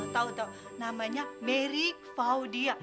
tau tau namanya mary faudia